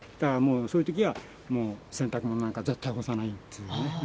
そういうときはもう、洗濯物なんかは絶対干さないっていうね。